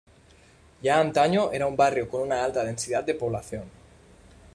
Ya antaño era un barrio con una alta densidad de población.